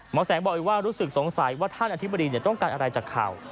แสงบอกอีกว่ารู้สึกสงสัยว่าท่านอธิบดีต้องการอะไรจากข่าว